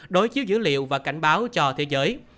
đối chiếu dữ liệu và cảnh báo cho thế giới